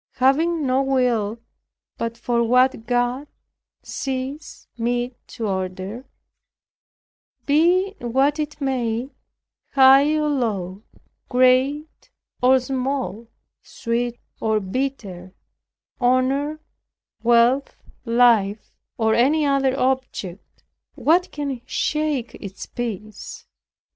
Having no will but for what God sees meet to order, be it what it may, high or low, great or small, sweet or bitter, honor, wealth, life, or any other object, what can shake its peace?